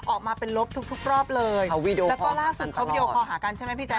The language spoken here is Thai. ออกมาเป็นลบทุกทุกรอบเลยแล้วก็ล่าสุดเขาวิดีโอคอลหากันใช่ไหมพี่แจ